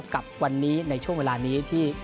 กับวันนี้ในช่วงเวลานี้ที่